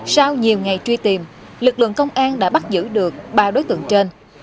sau nhiều ngày truy tìm lực lượng công an đã bắt giữ được ba đối tượng trên